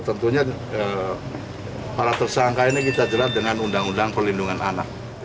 tentunya para tersangka ini kita jerat dengan undang undang perlindungan anak